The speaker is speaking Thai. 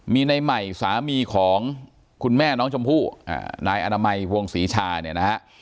มีในใหม่สามีของคุณแม่น้องชมพู่นายอนามัยวงศรีชาเนี่ยนะฮะ